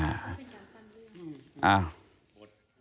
แต่ก็ยังแปลกใจแปลกใจมากเลยแหละ